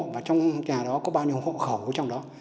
và trong nhà đó có bao nhiêu hộ khẩu trong đó